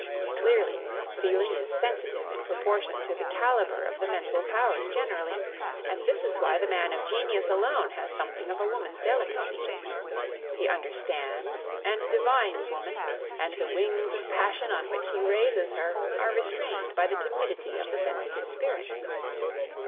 Clearly, feeling is sensitive in proportion to the calibre of the mental powers generally, and this is why the man of genius alone has something of a woman's delicacy. He understands and divines woman, and the wings of passion on which he raises her are restrained by the timidity of the sensitive spirit.